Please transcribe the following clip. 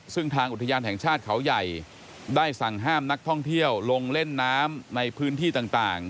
ซึ่งทางอุทยานแห่งชาติเขาใหญ่ได้สั่งห้ามนักท่องเที่ยวลงเล่นน้ำในพื้นที่ต่าง